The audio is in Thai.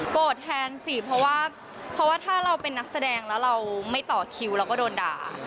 แทนสิเพราะว่าถ้าเราเป็นนักแสดงแล้วเราไม่ต่อคิวเราก็โดนด่า